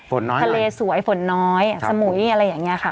น้อยทะเลสวยฝนน้อยสมุยอะไรอย่างนี้ค่ะ